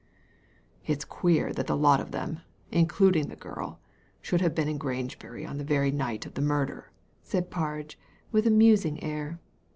" It is queer that the lot of them, including the girl, should have been in Grangebury on the very night of the murder," said Parge, with a musing air.